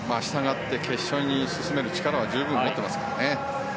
決勝に進める力は十分持ってますからね。